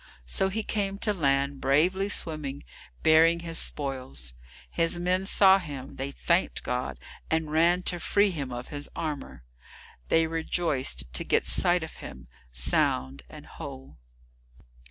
So he came to land, bravely swimming, bearing his spoils. His men saw him, they thanked God, and ran to free him of his armour. They rejoiced to get sight of him, sound and whole.